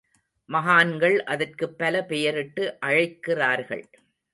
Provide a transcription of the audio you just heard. மகான்கள் அதற்குப் பல பெயரிட்டு அழைக்கிறார்கள்.